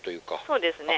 そうですね。